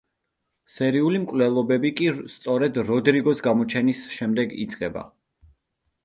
სერიული მკვლელობები კი სწორედ როდრიგოს გამოჩენის შემდეგ იწყება.